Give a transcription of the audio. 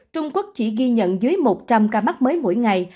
trung quốc chỉ ghi nhận dưới một trăm linh ca mắc mới mỗi ngày